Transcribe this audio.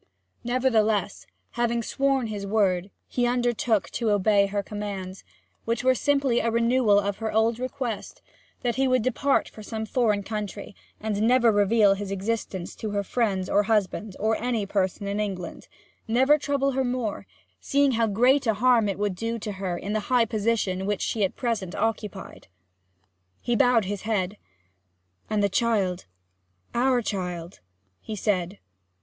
Nevertheless, having sworn his word, he undertook to obey her commands, which were simply a renewal of her old request that he would depart for some foreign country, and never reveal his existence to her friends, or husband, or any person in England; never trouble her more, seeing how great a harm it would do her in the high position which she at present occupied. He bowed his head. 'And the child our child?' he said.